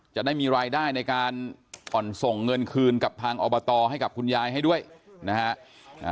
จะได้มีรายได้ในการอ่อนส่งเงินคืนกับทางอบตให้กับคุณยายให้ด้วยนะฮะ